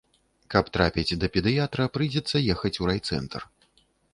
Каб трапіць да педыятра, прыйдзецца ехаць у райцэнтр.